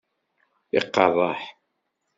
Iqeṛṛeḥ!